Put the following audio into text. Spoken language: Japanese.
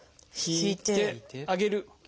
引いて上げる。